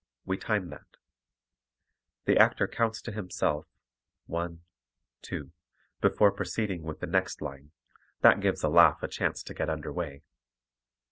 We time that. The actor counts to himself, "1, 2" before proceeding with the next line, that gives a laugh a chance to get under way.